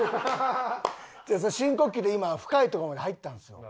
深呼吸で今深いとこまで入ったんですよ。